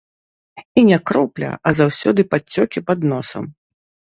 І не кропля, а заўсёды падцёкі пад носам.